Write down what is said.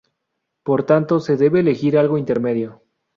Por tanto se debe elegir algo intermedio.